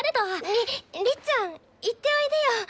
りりっちゃん行っておいでよ！